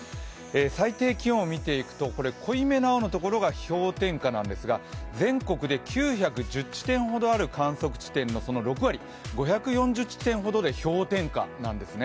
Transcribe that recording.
最低気温を見ていくと、濃いめの青のところが氷点下なんですが全国で９１０地点ほどある観測地点の６割５４０地点ほどで氷点下なんですね。